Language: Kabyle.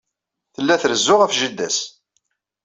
Tella trezzu ɣef jida-s.